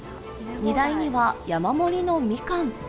荷台には山盛りのみかん。